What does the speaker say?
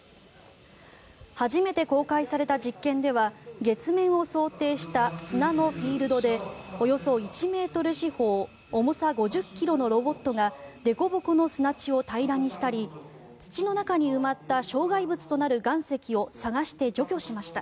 初めて公開された実験では月面を想定した砂のフィールドでおよそ１ｍ四方おもさ５０ｋｇのロボットがでこぼこの砂地を平らにしたり土の中に埋まった障害物となる岩石を探して除去しました。